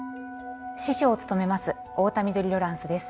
司書を務めます太田緑ロランスです。